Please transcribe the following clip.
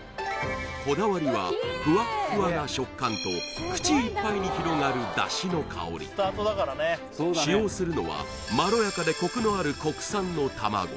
こだわりはふわっふわな食感と口いっぱいに広がる使用するのはまろやかでコクのある国産の卵